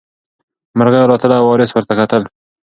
مرغۍ الوتله او وارث ورته کتل.